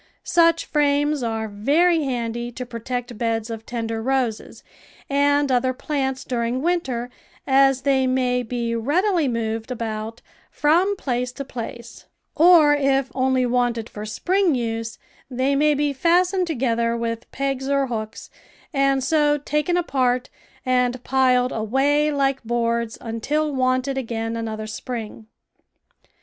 Such frames are very handy to protect beds of tender roses and other plants during winter, as they may be readily moved about from place to place, or if only wanted for spring use, they may be fastened together with pegs or hooks, and so taken apart and piled away hke boards until wanted again another spring.